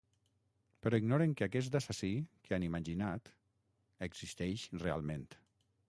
Però ignoren que aquest assassí que han imaginat existeix realment.